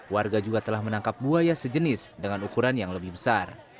warga juga telah menangkap buaya sejenis dengan ukuran yang lebih besar